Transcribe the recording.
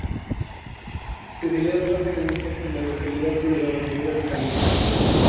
Especial trascendencia en la localidad tuvieron las Guerras Carlistas.